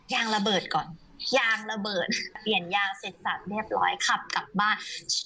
ยางระเบิดก่อนยางระเบิดเปลี่ยนยางเสร็จสับเรียบร้อยขับกลับบ้าน